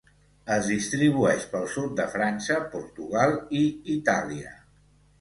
Es distribueix pel sud de França, Portugal i Itàlia.